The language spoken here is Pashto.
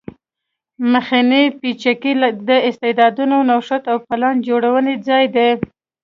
مخنی پیڅکی د استعدادونو نوښت او پلان جوړونې ځای دی